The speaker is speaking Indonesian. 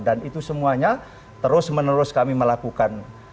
dan itu semuanya terus menerus kami melakukan